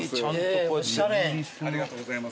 ありがとうございます。